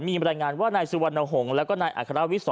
มีบรรยายงานว่าสุวรรณห่งและนายฯอัฆระวิท